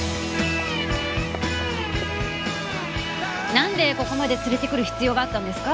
なんでここまで連れて来る必要があったんですか？